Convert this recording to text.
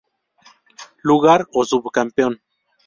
Lugar o sub-campeón.